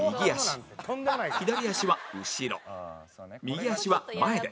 左足は後ろ右足は前で